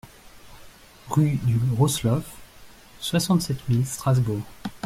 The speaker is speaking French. RUE DU ROSSLAUF, soixante-sept mille Strasbourg